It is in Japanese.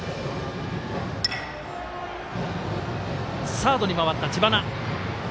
サードに回った知花。